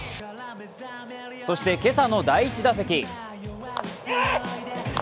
そして今朝の第１打席。